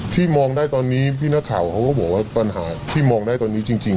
ที่มองได้ตอนนี้พี่นักข่าวเขาก็บอกว่าปัญหาที่มองได้ตอนนี้จริง